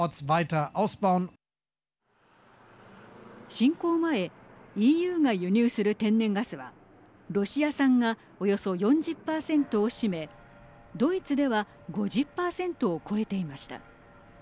侵攻前ＥＵが輸入する天然ガスはロシア産がおよそ４０％を占めドイツでは５０％を超えていました。